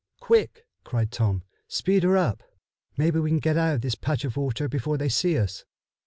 "Quick!" cried Tom. "Speed her up! Maybe we can get out of this patch of water before they see us."